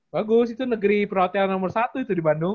bagus itu negeri perhotelan nomor satu itu di bandung